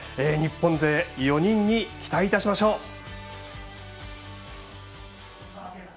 日本勢４人に期待いたしましょう。